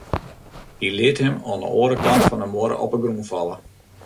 Hy liet him oan 'e oare kant fan de muorre op 'e grûn falle.